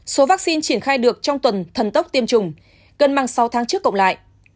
số vaccine triển khai được trong tuần thần tốc tiêm chủng gần bằng sáu tháng trước cộng lại